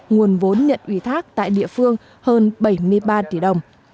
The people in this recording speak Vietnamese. nguồn vốn nhận ủy thác tại địa phương hơn bảy mươi ba tỷ đồng